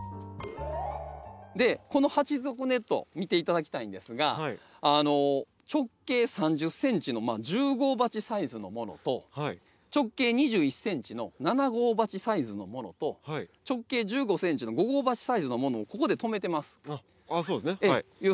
でこの鉢底ネット見て頂きたいんですが直径３０ｃｍの１０号鉢サイズのものと直径２１ｃｍの７号鉢サイズのものと直径１５ｃｍの５号鉢サイズのものをここで留めてます。